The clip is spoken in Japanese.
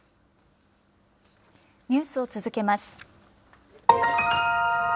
ニュースを続けます。